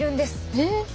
えっ？